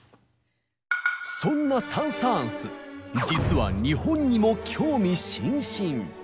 そんなサン・サーンス実は日本にも興味津々。